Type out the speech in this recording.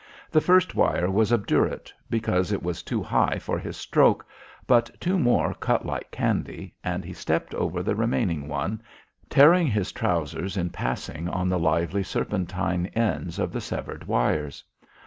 The first wire was obdurate, because it was too high for his stroke, but two more cut like candy, and he stepped over the remaining one, tearing his trousers in passing on the lively serpentine ends of the severed wires.